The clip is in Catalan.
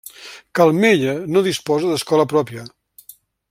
Calmella no disposa d'escola pròpia.